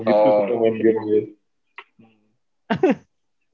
gak begitu suka main game